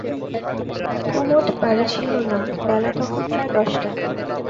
কুমুদ বাড়ি ছিল না, বেলা তখন প্রায় দশটা।